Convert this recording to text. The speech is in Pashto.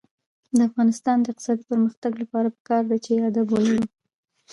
د افغانستان د اقتصادي پرمختګ لپاره پکار ده چې ادب ولرو.